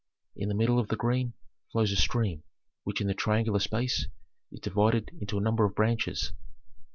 In the middle of the green flows a stream, which in the triangular space is divided into a number of branches."